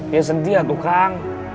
ya sedih atu kang